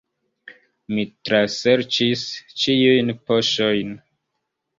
Mi traserĉis ĉiujn poŝojn.